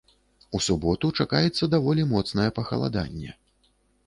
У суботу чакаецца даволі моцнае пахаладанне.